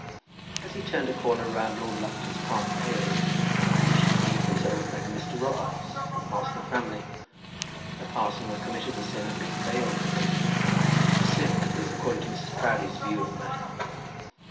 As he turned a corner round by Lord Lufton's park paling, who should he meet but his old friend Mr. Robarts, the parson of Framley, the parson who had committed the sin of being bail for him, the sin, that is, according to Mrs. Proudie's view of the matter.